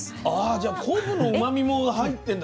じゃあ昆布のうまみも入ってんだ。